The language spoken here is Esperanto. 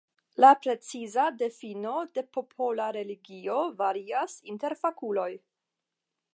La preciza difino de popola religio varias inter fakuloj.